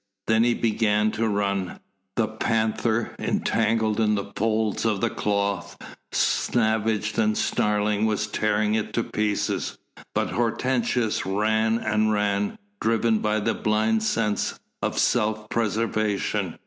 Then he began to run. The panther, entangled in the folds of the cloak, savage and snarling, was tearing it to pieces, but Hortensius ran and ran, driven by the blind sense of self preservation.